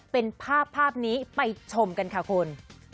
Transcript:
เป็นภาพภาพนี้ไปชมกันค่ะคุณ